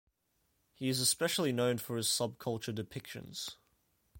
He is especially known for his subcultural depictions.